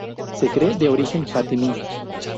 Se cree de origen fatimí.